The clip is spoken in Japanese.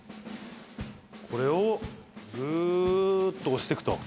これをグッと押していくと。